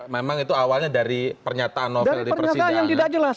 memang itu awalnya dari pernyataan novel di persidangan